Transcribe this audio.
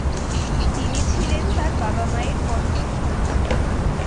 তিনি ছিলেন তার বাবা-মায়ের পঞ্চম সন্তান।